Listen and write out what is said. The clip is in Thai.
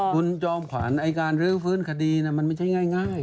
คุณจอมขวัญไอ้การรื้อฟื้นคดีมันไม่ใช่ง่าย